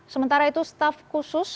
sementara itu staf khusus